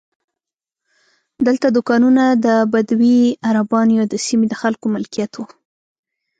دلته دوکانونه د بدوي عربانو یا د سیمې د خلکو ملکیت وو.